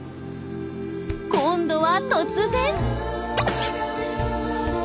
今度は突然。